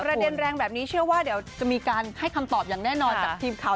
เด็นแรงแบบนี้เชื่อว่าเดี๋ยวจะมีการให้คำตอบอย่างแน่นอนจากทีมข่าว